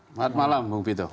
selamat malam bapak widodo